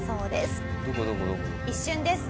一瞬です。